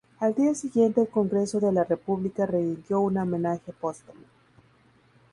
Al día siguiente el Congreso de la República le rindió un homenaje póstumo.